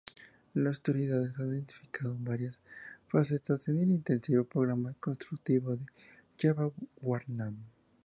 Los historiadores han identificado varias facetas en el intensivo programa constructivo de Jayavarman.